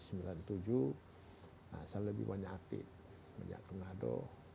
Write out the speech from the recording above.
saya lebih banyak aktif menjak menado